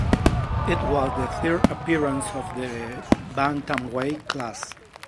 It was the third appearance of the bantamweight class.